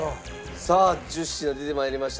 さあ１０品出て参りました。